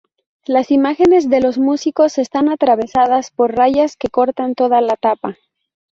Las imágenes de los músicos están atravesadas por rayas que cortan toda la tapa.